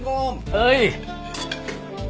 はい。